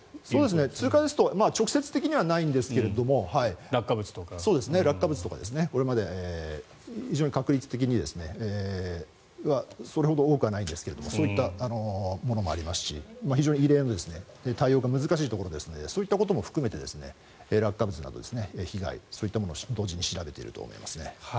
通過ですと直接的にはないんですが落下物とか非常に確率的にはそれほど多くはないんですがそういったものもありますし非常に異例の対応が難しいところですのでそういったことも含めて落下物などの被害も同時に調べていると思います。